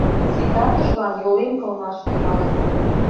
Ситартышлан йолем кылмаш тӱҥалын.